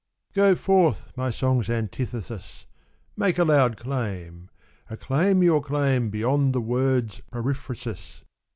Go forth, my song's antithesis, Make a loud claim, acclaim your claim Beyond the Word's periphrasis.